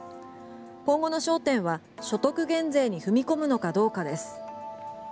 今後の焦点は所得減税に踏み込むのかどうかです。